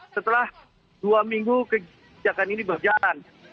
setelah dua minggu kebijakan ini berjalan